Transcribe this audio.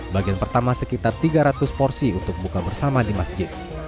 bagian pertama sekitar tiga ratus porsi untuk buka bersama di masjid